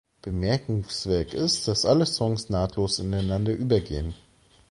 Bemerkenswert ist, dass alle Songs nahtlos ineinander übergehen.